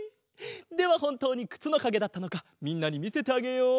ではほんとうにくつのかげだったのかみんなにみせてあげよう！